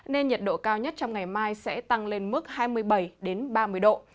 nên nhiệt độ cao nhất trong ngày mai sẽ tăng lên mức hai mươi bảy ba mươi độ